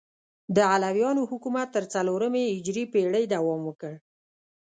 د علویانو حکومت تر څلورمې هجري پیړۍ دوام وکړ.